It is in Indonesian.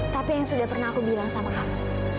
tapi yang sudah pernah aku bilang sama kamu